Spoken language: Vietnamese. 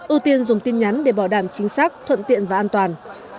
ưu tiên dùng tin nhắn để bảo đảm chính xác thuận tiện và an toàn